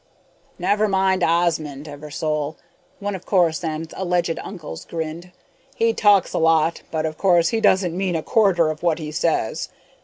"Never mind Osmond, Eversole," one of Corisande's alleged uncles grinned. "He talks a lot, but of course he doesn't mean a quarter of what he says.